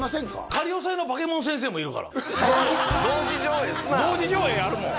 仮押さえのバケモン先生もいるから同時上映すな同時上映あるもん